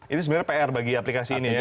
ini sebenarnya pr bagi aplikasi ini ya